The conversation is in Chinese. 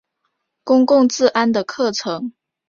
公共治安的课程。